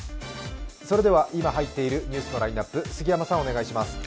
それでは今入っているニュースのラインナップ、お願いします。